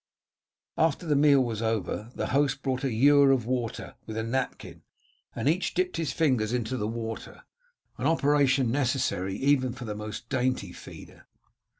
After the meal was over, the host brought a ewer of water with a napkin, and each dipped his fingers into the water, an operation necessary even for the most dainty feeder.